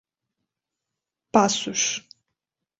Passos